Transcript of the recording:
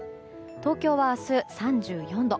東京は明日３４度。